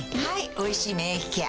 「おいしい免疫ケア」